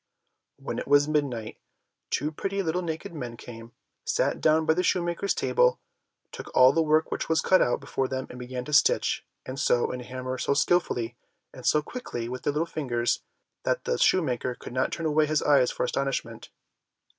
When it was midnight, two pretty little naked men came, sat down by the shoemaker's table, took all the work which was cut out before them and began to stitch, and sew, and hammer so skilfully and so quickly with their little fingers that the shoemaker could not turn away his eyes for astonishment.